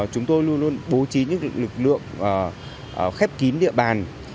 chúng tôi luôn luôn bố trí những lực lượng khép kín địa bàn